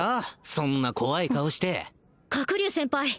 そんな怖い顔して角竜先輩